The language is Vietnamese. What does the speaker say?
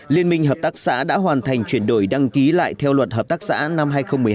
liên minh hợp tác xã đã hoàn thành chuyển đổi đăng ký lại theo luật hợp tác xã năm hai nghìn một mươi hai